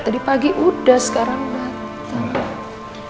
tadi pagi udah sekarang mati